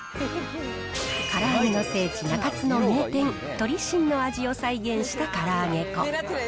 から揚げの聖地、中津の名店、鳥しんの味を再現したから揚げ粉。